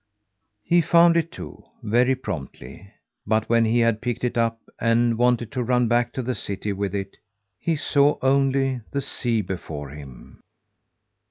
He found it too, very promptly; but when he had picked it up, and wanted to run back to the city with it he saw only the sea before him.